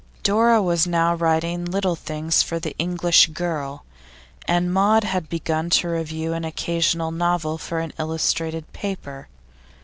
Dora was now writing little things for The English Girl, and Maud had begun to review an occasional novel for an illustrated paper.